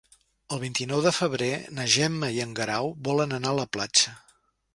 El vint-i-nou de febrer na Gemma i en Guerau volen anar a la platja.